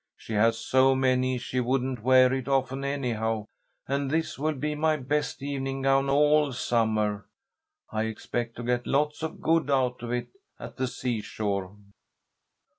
She has so many she wouldn't wear it often anyhow, and this will be my best evening gown all summer. I expect to get lots of good out of it at the seashore."